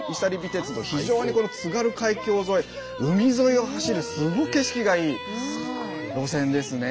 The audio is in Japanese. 鉄道非常にこの津軽海峡沿い海沿いを走るすごい景色がいい路線ですね。